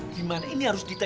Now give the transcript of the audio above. gimana ini harus dikawal